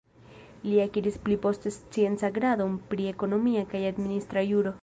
Li akiris pli poste sciencan gradon pri ekonomia kaj administra juro.